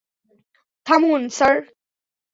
থামুন, স্যার!